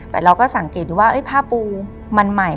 แต่เราก็สังเกตดูว่าผ้าปูมันใหม่